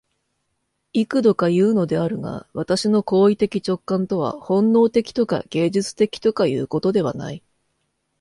幾度かいうのであるが、私の行為的直観とは本能的とか芸術的とかいうことではない。